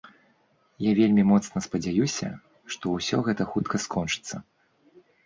Я вельмі моцна спадзяюся, што ўсё гэта хутка скончыцца.